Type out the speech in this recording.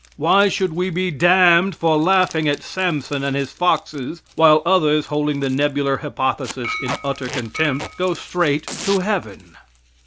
Why should we be damned for laughing at Samson and his foxes, while others, holding the nebular hypothesis in utter contempt, go straight to heaven?